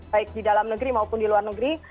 baik di dalam negeri maupun di luar negeri